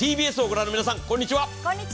ＴＢＳをご覧の皆さん、こんにちは。